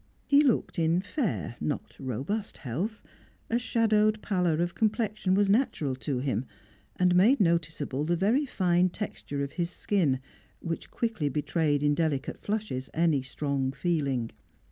He looked in fair, not robust, health; a shadowed pallor of complexion was natural to him, and made noticeable the very fine texture of his skin, which quickly betrayed in delicate flushes any strong feeling.